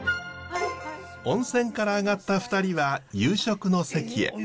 温泉から上がった２人は夕食の席へ。